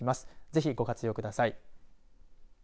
ぜひ、ご活用ください。